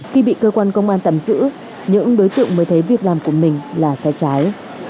khi bị cơ quan công an tạm giữ những đối tượng mới thấy việc làm của mình là sai trái